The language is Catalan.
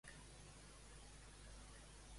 Al govern li interessa un nou conflicte armat?